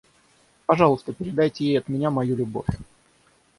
Пожалуйста, передайте ей от меня мою любовь.